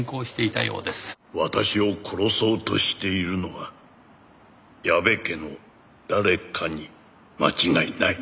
「私を殺そうとしているのは矢部家の誰かに間違いない」